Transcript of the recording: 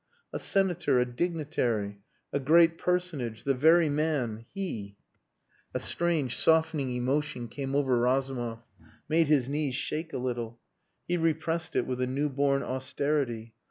"A senator, a dignitary, a great personage, the very man He!" A strange softening emotion came over Razumov made his knees shake a little. He repressed it with a new born austerity.